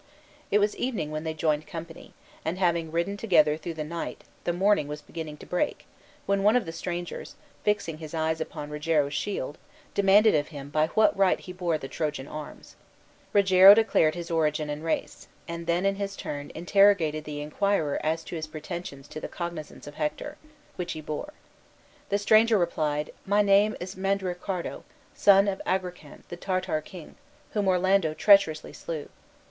It was evening when they joined company, and having ridden together through the night the morning was beginning to break, when one of the strangers, fixing his eyes upon Rogero's shield, demanded of him by what right he bore the Trojan arms. Rogero declared his origin and race, and then, in his turn, interrogated the inquirer as to his pretensions to the cognizance of Hector, which he bore. The stranger replied, "My name is Mandricardo, son of Agrican, the Tartar king, whom Orlando treacherously slew.